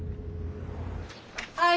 はい。